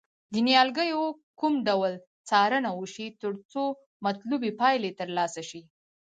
د نیالګیو کوم ډول څارنه وشي ترڅو مطلوبې پایلې ترلاسه شي.